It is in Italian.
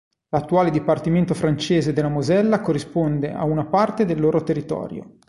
L'attuale dipartimento francese della Mosella corrisponde a una parte del loro territorio.